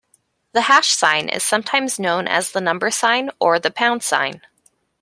The hash sign is sometimes known as the number sign or the pound sign